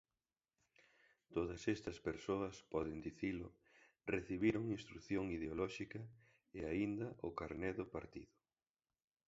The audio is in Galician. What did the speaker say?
Todas estas persoas, poden dicilo, recibiron instrución ideolóxica e, aínda, o carné do Partido.